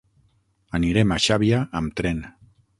Anirem a Xàbia amb tren.